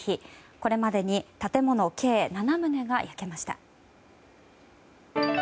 これまでに建物計７棟が焼けました。